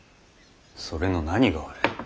それの何が悪い。